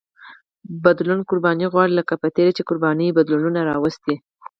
بدلون قرباني غواړي لکه په تېر کې چې قربانیو بدلونونه راوستي.